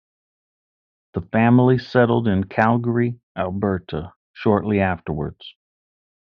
The family settled in Calgary, Alberta shortly afterwards.